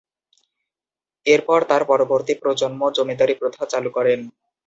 এরপর তার পরবর্তী প্রজন্ম জমিদারি প্রথা চালু করেন।